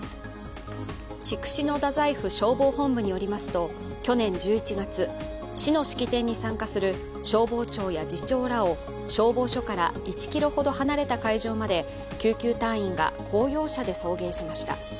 筑紫野太宰府消防本部によりますと去年１１月市の式典に参加する消防庁や次長らを消防署から１ｋｍほど離れた会場まで救急隊員が公用車で送迎しました。